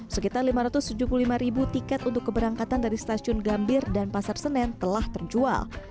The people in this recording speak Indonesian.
sekitar lima ratus tujuh puluh lima ribu tiket untuk keberangkatan dari stasiun gambir dan pasar senen telah terjual